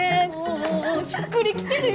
おおしっくりきてるよ！